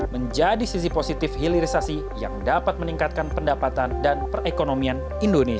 menjadi sisi positif hilirisasi yang dapat meningkatkan pendapatan dan perekonomian indonesia